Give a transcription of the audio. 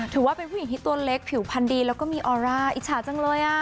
ถือว่าเป็นผู้หญิงที่ตัวเล็กผิวพันธ์ดีแล้วก็มีออร่าอิจฉาจังเลย